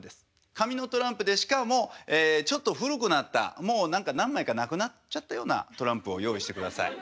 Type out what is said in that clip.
紙のトランプでしかもちょっと古くなったもう何か何枚かなくなっちゃったようなトランプを用意してください。